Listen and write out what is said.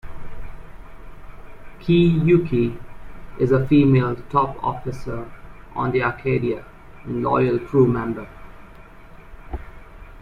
Kei Yuki, is a female top officer on the Arcadia and loyal crew member.